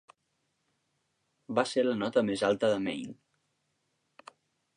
Va ser la nota més alta de Mayne.